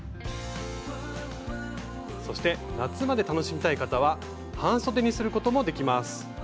そして夏まで楽しみたい方は半そでにすることもできます。